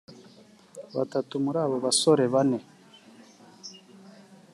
Batatu muri abo basore bane